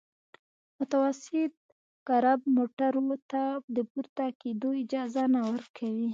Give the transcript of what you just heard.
متوسط کرب موټرو ته د پورته کېدو اجازه نه ورکوي